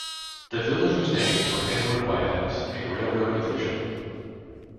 The village was named for Edward Whitehouse, a railroad official.